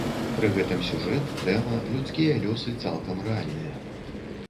Пры гэтым сюжэт, тэма, людскія лёсы цалкам рэальныя.